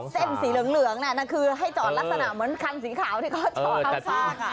เส้นสีเหลืองนั่นคือให้จอดลักษณะเหมือนคันสีขาวที่เขาจอดเข้าซาก